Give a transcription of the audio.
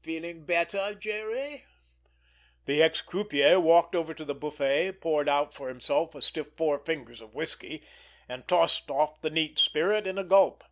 Feeling better, Jerry?" The ex croupier walked over to the buffet, poured out for himself a stiff four fingers of whisky, and tossed off the neat spirit at a gulp.